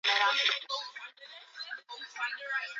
kwa kupitia kunywa maziwa peke yake